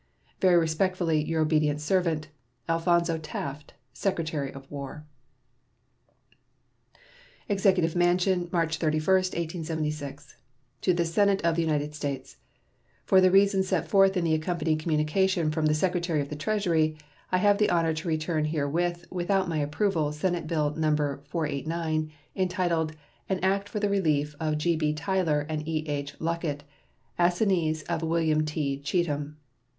Very respectfully, your obedient servant, ALPHONSO TAFT, Secretary of War. EXECUTIVE MANSION, March 31, 1876. To the Senate of the United States: For the reasons set forth in the accompanying communication from the Secretary of the Treasury, I have the honor to return herewith without my approval Senate bill No. 489, entitled "An act for the relief of G.B. Tyler and E.H. Luckett, assignees of William T. Cheatham."